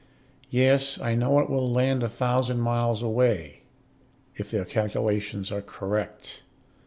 Yes, I know, it will land a thousand miles away, if their calculations are correct.